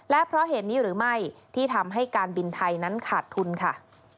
และเพราะเหตุนี้หรือไม่ที่ทำให้การบินไทยนั้นขาดทุนค่ะ